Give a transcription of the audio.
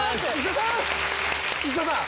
石田さん